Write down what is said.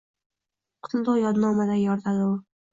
Qutlug’ yodnomaday yoritadi u.